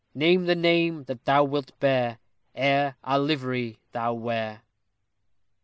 Name the name that thou wilt bear Ere our livery thou wear?